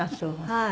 はい。